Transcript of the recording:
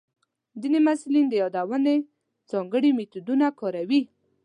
ځینې محصلین د یادونې ځانګړي میتودونه کاروي.